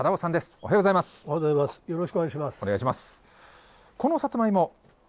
おはようございます。